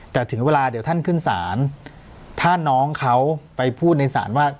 แต่ถึงเวลาเดี๋ยวท่านขึ้นศาลถ้าน้องเขาไปพูดในศาลว่า